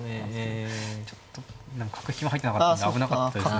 ちょっと何か角引きも入ってなかったんで危なかったですね。